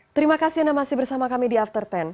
terima kasih anda masih bersama kami di after sepuluh